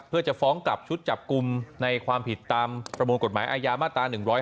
เพื่อจะฟ้องกลับชุดจับกลุ่มในความผิดตามประมวลกฎหมายอาญามาตรา๑๕